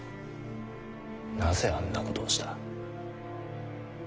なぜあんなことをした？